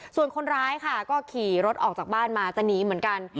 ส่วนคนร้ายค่ะก็ขี่รถออกจากบ้านมาจะหนีเหมือนกัน